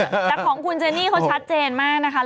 แต่ของคุณเจนี่เขาชัดเจนมากนะคะ